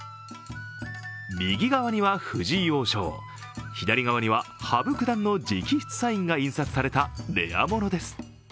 右側には藤井王将、左側には羽生九段の直筆サインが印刷されたレア物です。